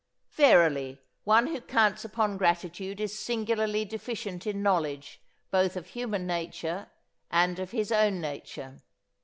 Verily, one who counts upon gratitude is singularly deficient in knowledge both of human nature and of his own nature.